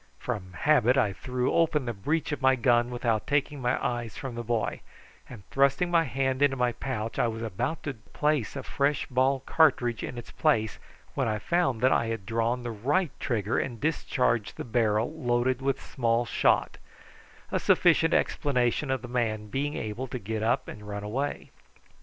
From habit I threw open the breech of my gun without taking my eyes from the boy, and, thrusting my hand into my pouch, I was about to place a fresh ball cartridge in its place when I found that I had drawn the right trigger and discharged the barrel loaded with small shot, a sufficient explanation of the man being able to get up and run away.